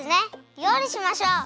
りょうりしましょう！